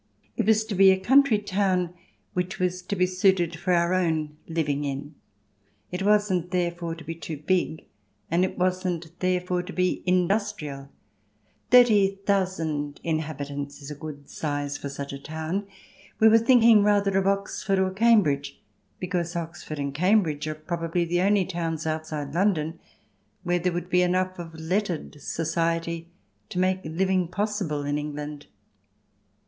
It was to be a country town which was to be suited for our own living in. It wasn't therefore to be too big, and it wasn't therefore to be industrial; thirty thousand inhabitants is a good size for such a town. We were thinking rather of Oxford or Cambridge, because Oxford and Cambridge are probably the only towns outside London where there would be enough of lettered society to make living possible in England.